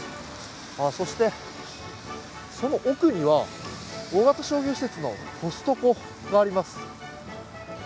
そして、その奥には大型商業施設のコストコがあります。